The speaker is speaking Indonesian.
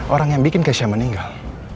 orang yang bikin keisha meninggal